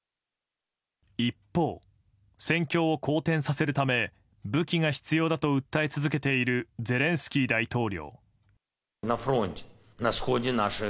一方、戦況を好転させるため武器が必要だと訴え続けているゼレンスキー大統領。